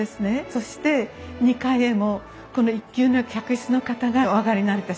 そして２階へもこの１級の客室の方がお上がりになれた仕組みになってました。